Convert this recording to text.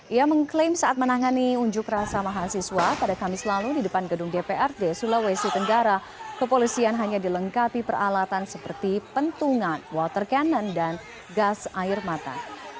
ia mengklaim saat menangani unjuk rasa mahasiswa pada kamis lalu di depan gedung dprd sulawesi tenggara kepolisian hanya dilengkapi peralatan seperti pentungan water cannon dan gas air mata